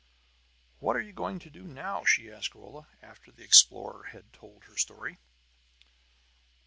"What are you going to do now?" she asked Rolla, after the explorer had told her story.